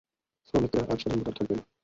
শ্রমিকরা আর স্বাধীন ভোটার থাকবে না।